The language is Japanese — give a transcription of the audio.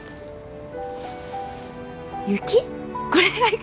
雪？